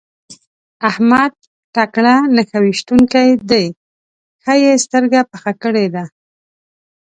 احمد تکړه نښه ويشتونکی دی؛ ښه يې سترګه پخه کړې ده.